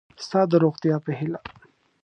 ستا د روغتیا په هیله